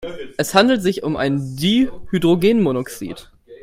Es handelt sich um Dihydrogenmonoxid.